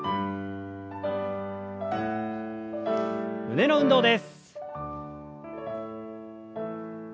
胸の運動です。